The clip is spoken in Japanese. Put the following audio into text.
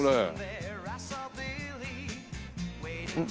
うん？